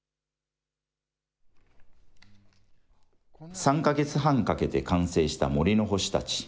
３か月半かけて完成した森の星たち。